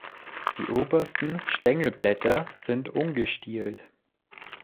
Die obersten Stängelblätter sind ungestielt.